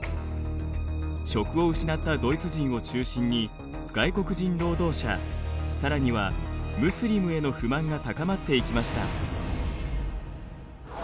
職を失ったドイツ人を中心に外国人労働者さらにはムスリムへの不満が高まっていきました。